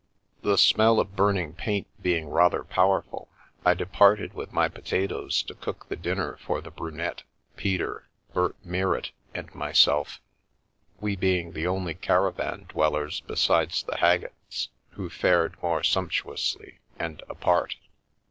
The smell of burning paint being rather powerful, I departed with my potatoes to cook the dinner for the Brunette, Peter, Bert Mirrit and myself, we being the only caravan dwellers besides the Haggetts, who fared more sumptuously and apart.